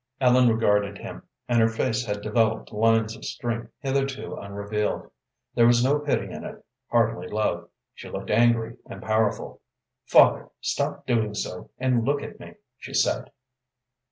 Ellen regarded him, and her face had developed lines of strength hitherto unrevealed. There was no pity in it, hardly love; she looked angry and powerful. "Father, stop doing so, and look at me," she said.